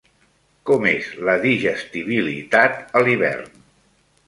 Com és la digestibilitat a l'hivern?